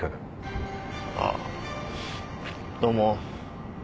ああどうも。